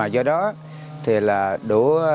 do đó đủ